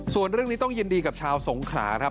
ส่วนเรื่องนี้ต้องยินดีกับชาวสงขลาครับ